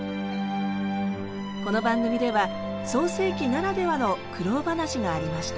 この番組では創成期ならではの苦労話がありました。